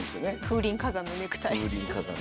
風林火山のネクタイ。